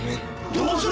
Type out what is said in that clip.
どうする！？